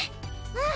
うん！